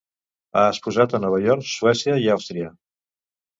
Ha exposat a Nova York, Suècia, i Àustria.